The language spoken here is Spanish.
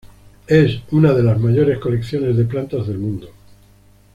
Es una de las mayores colecciones de plantas del mundo.